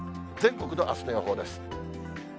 全国のあすの予報です。